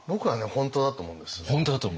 本当だと思うんですよ。